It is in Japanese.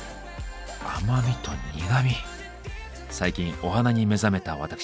最近お花に目覚めた私。